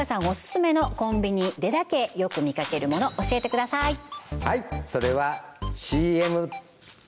オススメのコンビニでだけよく見かけるもの教えてください